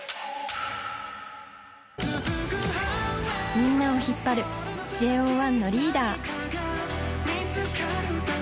みんなを引っ張るＪＯ１のリーダー。